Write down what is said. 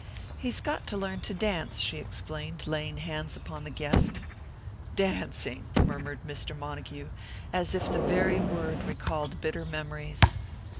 "He's got to learn to dance," she explained, laying hands upon the guest. "Dancing dancing!" murmured Mr. Montague, as if the very word recalled bitter memories.